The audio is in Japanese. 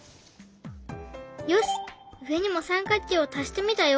よし上にも三角形を足してみたよ。